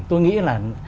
tôi nghĩ là